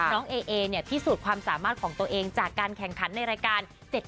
น้องเอเนี่ยพิสูจน์ความสามารถของตัวเองจากการแข่งขันในรายการ